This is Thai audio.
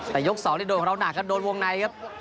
แต่ยก๒โดนของเราหนักครับโดนวงในครับ